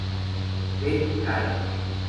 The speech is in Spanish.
Ben cae.